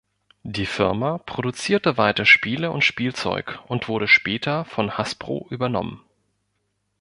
Die Firma produzierte weiter Spiele und Spielzeug und wurde später von Hasbro übernommen.